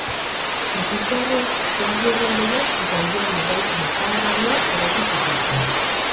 Egiptoarrek tenplu erraldoiak eta hilobi eraikin ikaragarriak eraiki zituzten